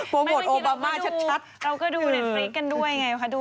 โปรโมทโอบามาชัดนะครับเราก็ดูเน็ตเฟรคกันด้วยไงค่ะ